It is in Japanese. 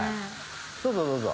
どうぞどうぞ。